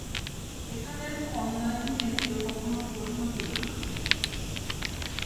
এখানের অন্যায় নিয়ে কেউ কখনো প্রশ্ন তুলে না।